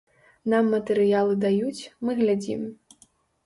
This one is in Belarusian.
Нам матэрыялы даюць, мы глядзім.